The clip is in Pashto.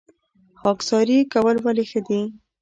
خاکساري کول ولې ښه دي؟